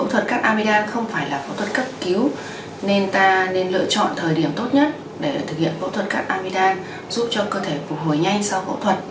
phẫu thuật cắt amidam không phải là phẫu thuật cấp cứu nên ta nên lựa chọn thời điểm tốt nhất để thực hiện phẫu thuật cắt amidam giúp cho cơ thể phục hồi nhanh sau phẫu thuật